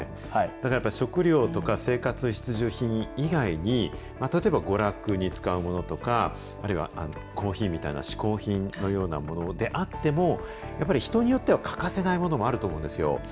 だからやっぱり食料とか、生活必需品以外に、例えば娯楽に使うものとか、あるいはコーヒーみたいなしこう品のようなものであっても、やっぱり人によっては欠かせないものもあると思うんですよ。